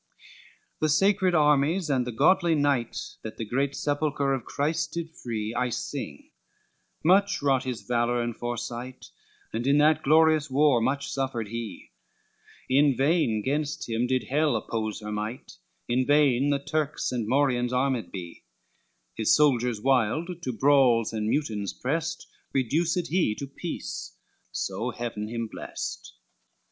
I The sacred armies, and the godly knight, That the great sepulchre of Christ did free, I sing; much wrought his valor and foresight, And in that glorious war much suffered he; In vain 'gainst him did Hell oppose her might, In vain the Turks and Morians armed be: His soldiers wild, to brawls and mutinies prest, Reduced he to peace, so Heaven him blest.